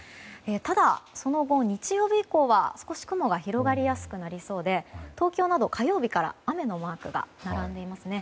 ただ、その後日曜日以降は少し雲が広がりやすくなりそうで東京など火曜日から雨のマークが並んでいます。